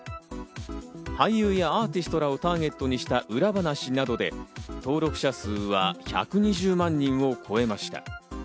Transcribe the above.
俳優やアーティストらをターゲットにした裏話などで登録者数は１２０万人を超えました。